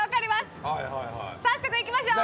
早速行きましょう。